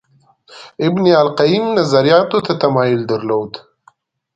ابن القیم نظریاتو ته تمایل درلود